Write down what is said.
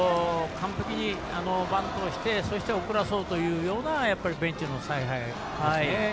完璧にバントをしてそして、送らせようというようなベンチの采配ですね。